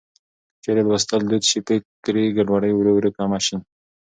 که چېرې لوستل دود شي، فکري ګډوډي ورو ورو کمه شي.